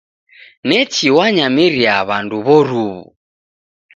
Nechi wanyamiria w'andu w'oruw'u.